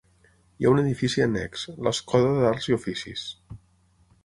Hi ha un edifici annex, l'Escoda d’Arts i Oficis.